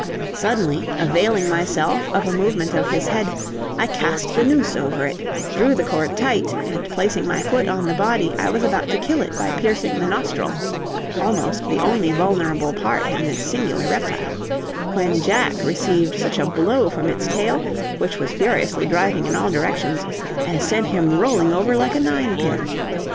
Suddenly, availing myself of a movement of his head, I cast the noose over it, drew the cord tight, and placing my foot on the body, I was about to kill it by piercing the nostril almost the only vulnerable part in this singular reptile when Jack received such a blow from its tail, which was furiously driving in all directions, as sent him rolling over like a ninepin.